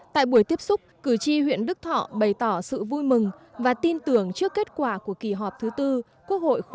tại buổi tiếp xúc cử tri huyện đức thọ bày tỏ sự vui mừng và tin tưởng trước kết quả của kỳ họp thứ tư quốc hội khóa một mươi bốn